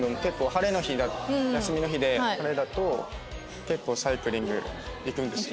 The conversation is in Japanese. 晴れの日休みの日で晴れだと結構サイクリング行くんですよ。